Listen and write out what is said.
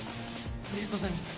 ありがとうございます。